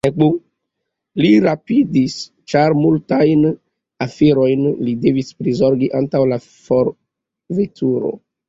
Li rapidis, ĉar multajn aferojn li devis prizorgi antaŭ la forveturo.